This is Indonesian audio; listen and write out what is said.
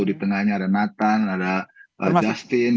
di tengahnya ada nathan ada justin